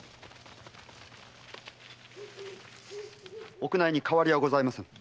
屋内に変わりはございません。